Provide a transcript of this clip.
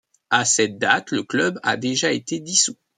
A cette date le club a déjà été dissous.